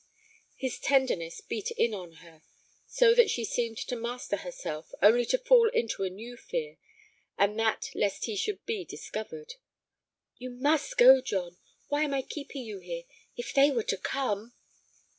His tenderness beat in on her, so that she seemed to master herself, only to fall into a new fear, and that lest he should be discovered. "You must go, John. Why am I keeping you here? If they were to come!"